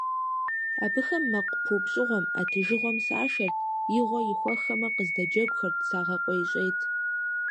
Абыхэм мэкъу пыупщӀыгъуэм, Ӏэтыжыгъуэм сашэрт, игъуэ ихуэхэмэ, кыздэджэгухэрт, сагъэкъуейщӀейт.